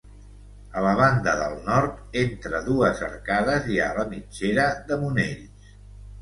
A la banda del nord, entre dues arcades, hi ha la mitgera de Monells.